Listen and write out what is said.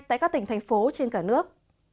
tại các tỉnh thành phố trên cả nước